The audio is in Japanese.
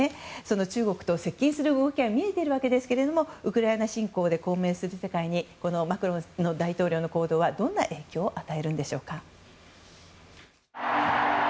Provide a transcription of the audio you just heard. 中国と接近する動きが見えているわけですがウクライナ侵攻で混迷する世界にこのマクロン大統領の行動はどんな影響を与えるんでしょうか。